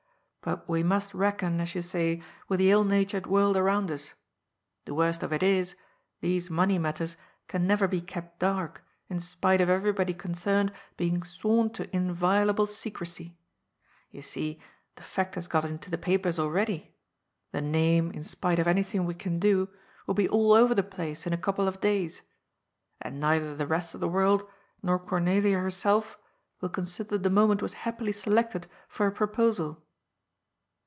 But we must reckon, as you say, with the ill natured world around us. The worst of it is, these money matters can never be kept dark, in spite of everybody con cerned being sworn to inviolable secrecy. You see, the fact has got into the papers already, the name, in spite of any 160 GOD'S POOL. thing we can do, will be all over the place in a couple of days. And neither the rest of the world, nor Cornelia her self, will consider the moment was happily selected for a proposal.